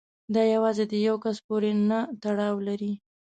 دا یوازې د یو کس پورې نه تړاو لري.